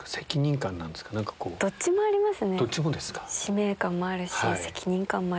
どっちもですか。